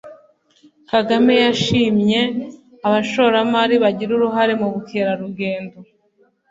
Kagame yashimye abashoramari bagira uruhare mu bukerarugendo